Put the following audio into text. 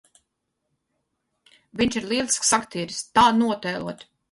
Viņš ir lielisks aktieris! Tā notēlot !